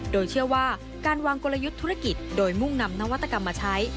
โดยเชื่อว่าการวางกลยุทธ์ธุรกิจโดยมุ่งนำนวัตกรรมมาใช้